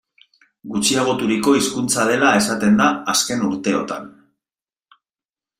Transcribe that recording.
Gutxiagoturiko hizkuntza dela esaten da azken urteotan.